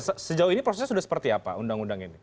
sejauh ini prosesnya sudah seperti apa undang undang ini